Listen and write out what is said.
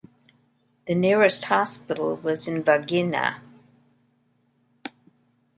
The nearest hospital was in Varginha.